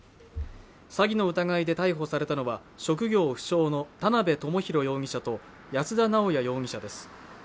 詐欺の疑いで逮捕されたのは職業不詳の田辺智祐容疑者と安田直弥容疑者です